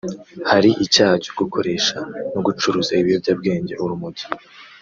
Hari icyaha cyo gukoresha no gucuruza ibiyobyabwenge (urumogi